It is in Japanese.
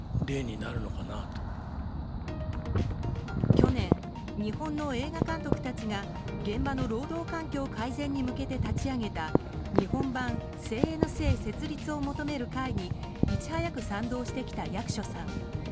去年、日本の映画監督たちが現場の労働環境改善に向けて立ち上げた日本版ＣＮＣ設立を求める会にいち早く賛同してきた役所さん。